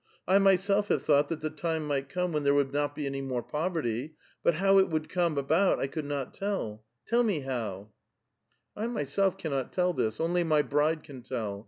" I my self have thought that the time might come when there would not be any more poverty* ; but how it would come about I could not tell ; tell me how 1 "" I myself cannot tell this ; only my bride can tell.